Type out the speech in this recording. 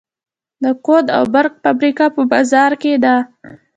د کود او برق فابریکه په مزار کې ده